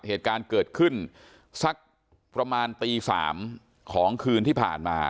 เหตุการณ์เกิดขึ้นสักประมาณตี๓ของคืนที่ผ่านมา